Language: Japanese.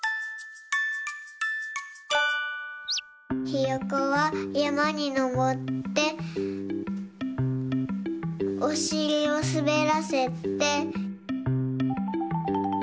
ひよこはやまにのぼっておしりをすべらせて。